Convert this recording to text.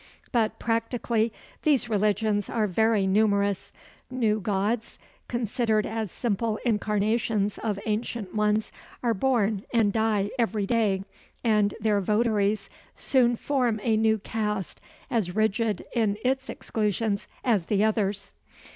But practically these religions are very numerous. New gods, considered as simple incarnations of ancient ones, are born and die every day, and their votaries soon form a new caste as rigid in its exclusions as the others.